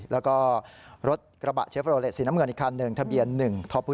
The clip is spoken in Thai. แล้วก็รถกระบะเชฟโรเล็ตสีน้ำเหมือนอีกคัน๑ทะเบียน๑ทพฮ๒๐๕